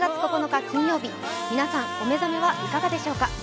皆さん、お目覚めはいかがでしょうか。